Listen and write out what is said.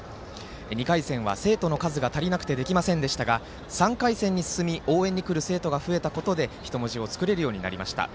２回戦は生徒の数が足りなくてできませんでしたが３回戦に進み応援に来る生徒が増えたことで人文字を作れるようになりました。